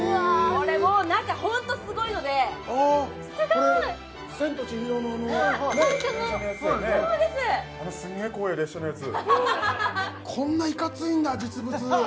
これもう中ホントすごいのですごいこれ「千と千尋」のあの電車のやつだよねすんげえ怖え列車のやつこんないかついんだ実物